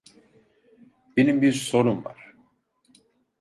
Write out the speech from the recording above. Benim bir sorum var.